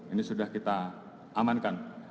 ini sudah kita amankan